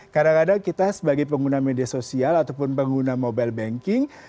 kadang kadang kita sebagai pengguna media sosial ataupun pengguna mobile banking